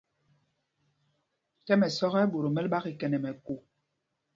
Tɛ́m ɛsɔ́k ɛ, ɓot o mɛ́l ɓá kikɛ nɛ mɛkō.